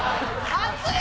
熱い！